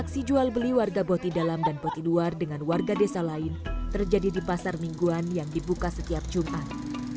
aksi jual beli warga boti dalam dan boti luar dengan warga desa lain terjadi di pasar mingguan yang dibuka setiap jumat